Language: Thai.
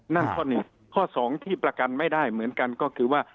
นั่นข้อหนึ่งข้อสองที่ประกันไม่ได้เหมือนกันก็คือว่า